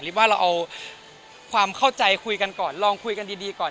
ว่าเราเอาความเข้าใจคุยกันก่อนลองคุยกันดีก่อน